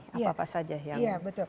apa apa saja yang